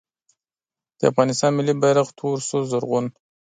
د افغانستان ملي بیرغ تور سور زرغون